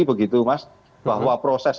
begitu mas bahwa proses